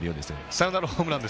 サヨナラホームラン